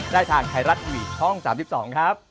ได้ทางไทยรัฐทีวีช่อง๓๒ครับ